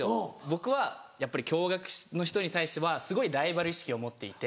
僕はやっぱり共学の人に対してはすごいライバル意識を持っていて。